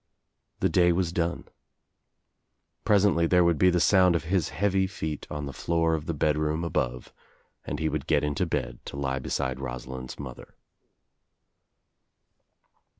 TTie day was done. Pres ently there would be the sound of his heavy feet on the floor of the bedroom above and he would get into bed to lie beside Rosalind's mother.